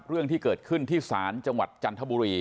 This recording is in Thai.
เรื่องที่เกิดขึ้นที่ศาลจังหวัดจันทบุรี